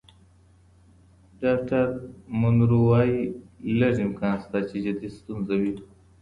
ډاکټر مونرو وايي، لږ امکان شته چې جدي ستونزه وي.